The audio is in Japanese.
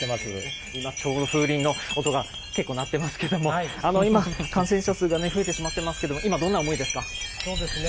今ちょうど風鈴の音が結構鳴っていますけれども、今、感染者数が増えてしまっていますけれどそうですね。